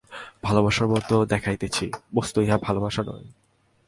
ভালবাসার মত দেখাইতেছে, বস্তুত ইহা ভালবাসা নয়।